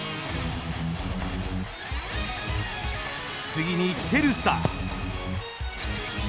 次にテルスター。